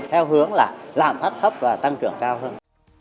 theo hướng là lạm phát thấp và tăng trưởng cao hơn